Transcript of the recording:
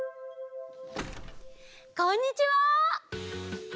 こんにちは！